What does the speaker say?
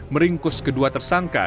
meringkus kedua tersangka